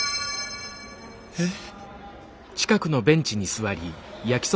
えっ。